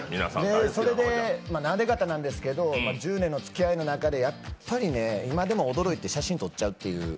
それでなで肩なんですが、１０年の付き合いの中でやっぱりね、今でも驚いて写真撮っちゃうという。